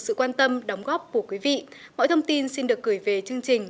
sự quan tâm đóng góp của quý vị mọi thông tin xin được gửi về chương trình